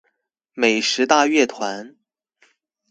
美食大樂團